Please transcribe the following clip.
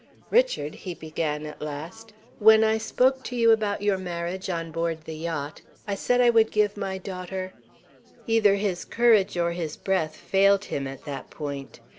"Richard," he began at last, "when I spoke to you about your marriage, on board the yacht, I said I would give my daughter " Either his courage or his breath failed him at that point.